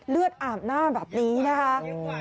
เลือดอาบหน้าแบบนี้นะคะ